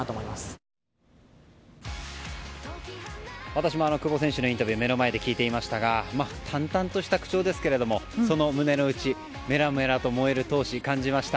私も久保選手のインタビュー目の前で聞いていましたが淡々とした口調ですがその胸の内メラメラと燃える闘志を感じました。